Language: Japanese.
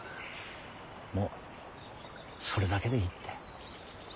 もうそれだけでいいって。